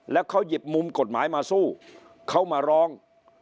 แล้วเขาหยิบมุมกฎหมายมาสู้เขามาร้อง